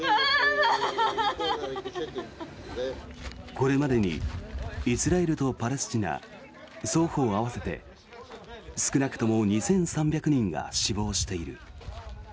これまでにイスラエルとパレスチナ双方合わせて少なくとも２３００人が死亡している。